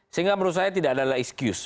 sehingga menurut saya tidak ada excuse